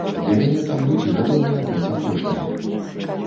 Для мяне там людзі гатовыя аддаць апошняе.